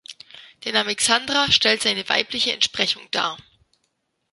Der Name Xandra stellt seine weibliche Entsprechung dar.